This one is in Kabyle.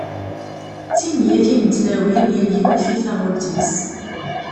D timeyyatin n tlawin, yal yiwet di taɣult-is.